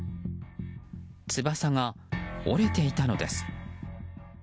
翼が折れていたのです。